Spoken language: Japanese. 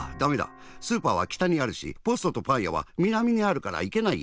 スーパーは北にあるしポストとパンやは南にあるからいけないや。